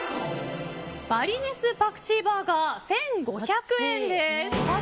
バリネスパクチーバーガー１５００円です。